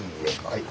はい。